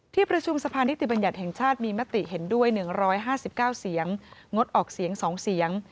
ที่ประชุมสะพานิติบัญญัติแห่งชาติมีมติเห็นด้วย๑๕๙เสียงงดออกเสียง๒เสียง